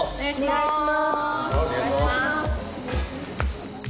お願いします